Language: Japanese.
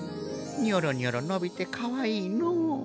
ニョロニョロ伸びてかわいいのう。